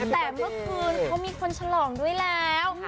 แต่เมื่อคืนเขามีคนฉลองด้วยแล้ว